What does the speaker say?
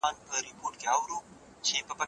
که چېرې پیشاب بند شي، دا یو جدي حالت دی.